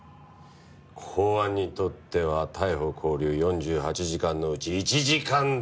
公安にとっては逮捕・勾留４８時間のうち１時間でも渡したくない。